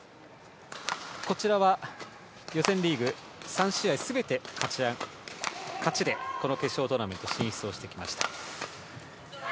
予選リーグ３試合全て勝ちでこの決勝トーナメント進出してきました。